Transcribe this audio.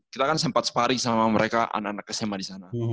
kita kan sempat sparring sama mereka anak anak kesema disana